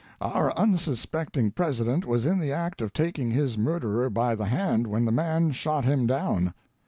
Our unsuspecting President was in the act of taking his mur derer by the hand when the man shot him down.